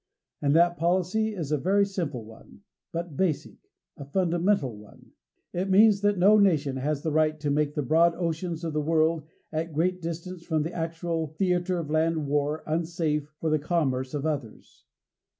And that policy is a very simple one but a basic, a fundamental one. It means that no nation has the right to make the broad oceans of the world at great distances from the actual theatre of land war, unsafe for the commerce of others.